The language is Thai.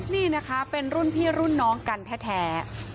นี่นะคะเป็นรุ่นพี่รุ่นน้องกันแท้